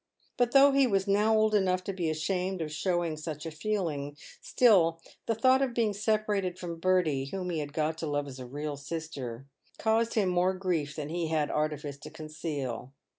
But though he was now old enough to be ashamed of showing such a feeling, still the thought of being separated from Bertie, whom he had got to love as a real sister, caused him more grief than he had artifice to conceal.